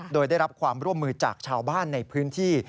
โดยได้รับความร่วมมือจากชาวบ้านในพื้นที่